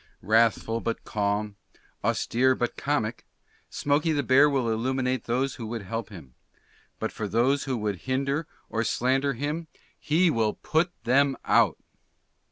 Wrathful but Calm. Austere but Comic. Smokey the Bear will Illuminate those who would help him; but for those who would hinder or slander him, HE WILL PUT THEM OUT.